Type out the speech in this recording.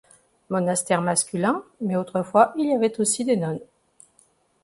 Monastère masculin, mais autrefois il y avait aussi des nones.